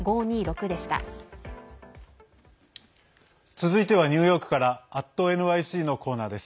続いてはニューヨークから「＠ｎｙｃ」のコーナーです。